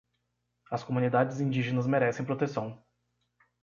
As comunidades indígenas merecem proteção